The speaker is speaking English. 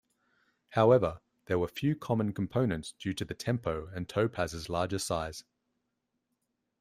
However, there were few common components due to the Tempo and Topaz's larger size.